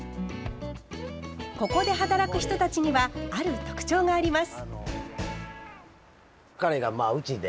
ここで働く人たちにはある特徴があります。